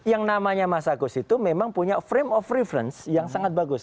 yang namanya mas agus itu memang punya frame of reference yang sangat bagus